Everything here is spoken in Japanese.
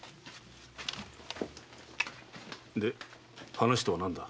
話とは何だ？